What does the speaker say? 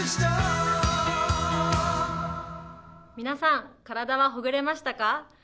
皆さん、体はほぐれましたか？